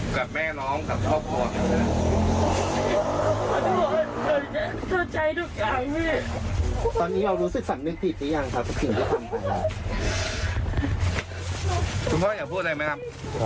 ขอแสดงขอเศรษฐ์ใจครอบครัวน้องเรียนนะครับ